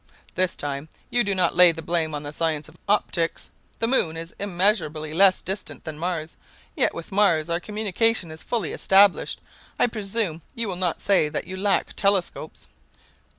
"This time you do not lay the blame on the science of optics. The moon is immeasurably less distant than Mars, yet with Mars our communication is fully established. I presume you will not say that you lack telescopes?"